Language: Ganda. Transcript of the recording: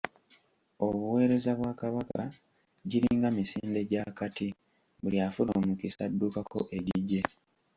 Obuweereza bwa Kabaka giringa misinde gy'akati, buli afuna omukisa addukako egigye.